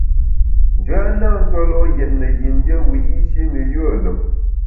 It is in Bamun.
Njoya na tue lo’ yètne yin dié wiyi’shi ne yùe lùm.